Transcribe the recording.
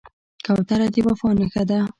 کوتره د وفا نښه ده.